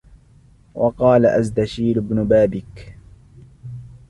وَقَالَ أَزْدَشِيرُ بْنُ بَابَكَ